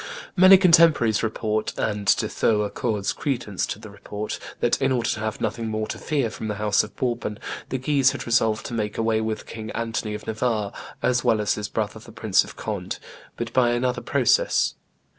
Many contemporaries report, and De Thou accords credence to the report, that, in order to have nothing more to fear from the house of Bourbon, the Guises had resolved to make away with King Anthony of Navarre as well as his brother the Prince of Conde, but by another process.